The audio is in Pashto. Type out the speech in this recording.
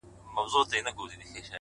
جـنــگ له فريادي ســــره;